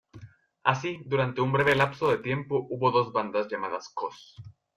Así durante un breve lapso de tiempo, hubo dos bandas llamadas Coz.